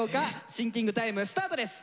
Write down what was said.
シンキングタイムスタートです！